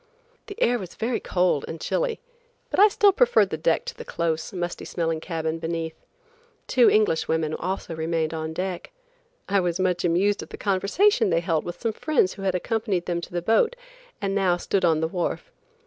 The air was very cold and chilly, but still I preferred the deck to the close, musty smelling cabin beneath. Two English women also remained on deck. I was much amused at the conversation they held with some friends who had accompanied them to the boat, and now stood on the wharf.